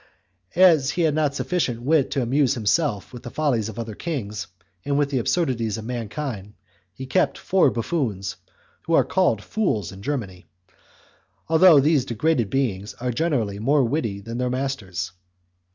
As he had not sufficient wit to amuse himself with the follies of other kings and with the absurdities of humankind, he kept four buffoons, who are called fools in Germany, although these degraded beings are generally more witty than their masters.